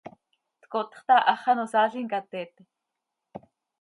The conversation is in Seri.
tcotxta, hax ano saalim ca teete.